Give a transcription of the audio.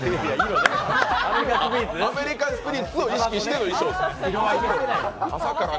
あ、アメリカンスピリッツを意識しての衣装と。